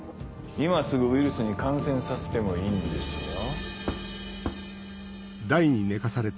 今すぐウイルスに感染させてもいいんですよ。